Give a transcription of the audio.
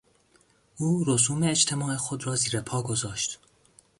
او رسوم اجتماع خود را زیرپا گذاشت.